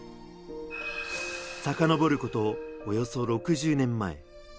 さかのぼること、およそ６０年前。